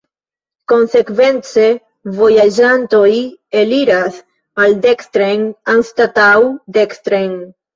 Konsekvence, vojaĝantoj eliras maldekstren anstataŭ dekstren.